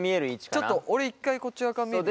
ちょっと俺１回こっち側から見るよ。